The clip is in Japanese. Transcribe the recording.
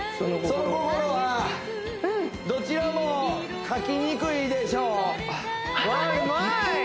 その心はどちらもかきにくいでしょううまい！